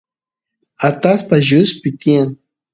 allpa lluspi tiyan